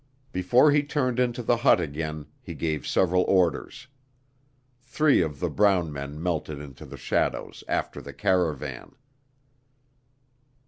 Before he turned into the hut again he gave several orders. Three of the brown men melted into the shadows after the caravan.